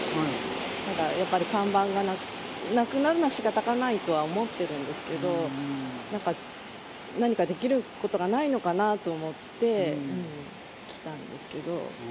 ただやっぱり、看板がなくなるのはしかたがないとは思ってるんですけど、何かできることはないのかなと思って来たんですけど。